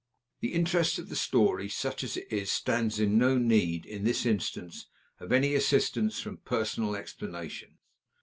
The interest of the story, such as it is, stands in no need, in this instance, of any assistance from personal explanations."